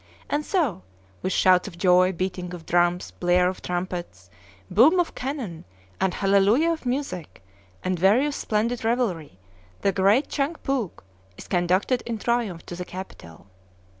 And so, with shouts of joy, beating of drums, blare of trumpets, boom of cannon, a hallelujah of music, and various splendid revelry, the great Chang Phoouk is conducted in triumph to the capital.